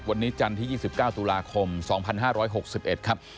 วันนี้จันทร์ที่๒๙ตุลาคม๒๕๖๑ครับ